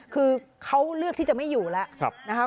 คือเค้าเลือกที่จะไม่อยู่แล้ว